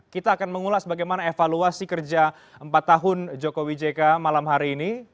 kita akan mengulas bagaimana evaluasi kerja empat tahun jokowi jk malam hari ini